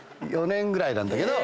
１９９４年ぐらいなんだけど。